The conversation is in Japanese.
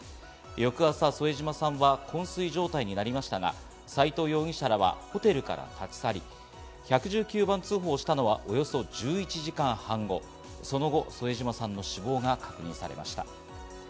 翌朝、添島さんは昏睡状態になりましたが、斎藤容疑者らはホテルから立ち去り、１１９番通報したのはおよそ１１時間半後、その後、添島さんの死亡が確認されました。